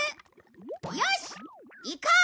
よし行こう！